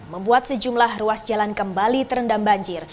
membuat sejumlah ruas jalan kembali terendam banjir